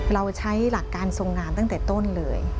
เราใช้หลักการทรงงานตั้งแต่ต้นเลย